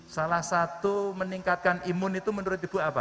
salah satu meningkatkan imun itu menurut ibu apa